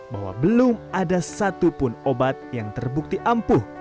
bahwa belum ada satupun obat yang terbukti ampuh